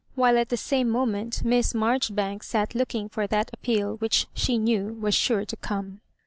While at the same moment Miss Marjoribanks sat looking for that appeal which she knew was sure to come.